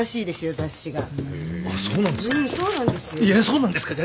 そうなんですよ。